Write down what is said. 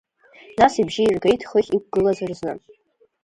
Нас ибжьы иргеит хыхь иқәгылаз рзы…